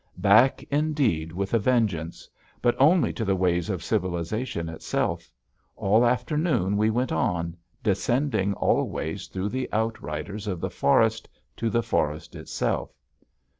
Back, indeed, with a vengeance. But only to the ways of civilization itself. All afternoon we went on, descending always, through the outriders of the forest to the forest itself.